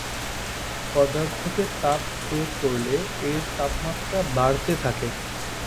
পদার্থকে তাপ প্রয়োগ করলে এর তাপমাত্রা বাড়তে থাকে।